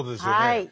はい。